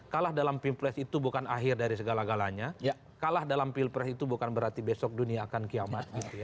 kalah dalam pilpres itu bukan akhir dari segala galanya kalah dalam pilpres itu bukan berarti besok dunia akan kiamat